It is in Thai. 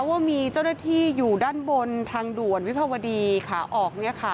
ว่ามีเจ้าหน้าที่อยู่ด้านบนทางด่วนวิภาวดีขาออก